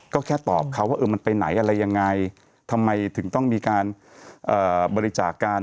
ก็แค่ตอบเขาว่าเออมันไปไหนอะไรยังไงทำไมถึงต้องมีการบริจาคการ